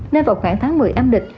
nên vào khoảng tháng một mươi âm địch